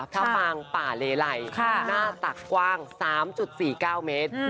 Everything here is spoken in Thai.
ฟางป่าเลไลหน้าตักกว้าง๓๔๙เมตร